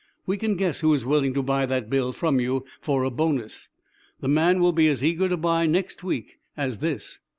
"We can guess who is willing to buy that bill from you for a bonus. The man will be as eager to buy next week as this."